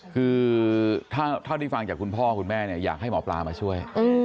คือเท่าที่ฟังจากคุณพ่อคุณแม่เนี่ยอยากให้หมอปลามาช่วย